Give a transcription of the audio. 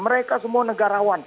mereka semua negarawan